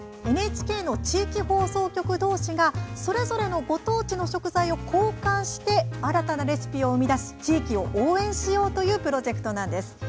ＮＨＫの地域放送局どうしがそれぞれのご当地の食材を交換して新たなレシピを生み出し地域を応援しようというプロジェクトなんです。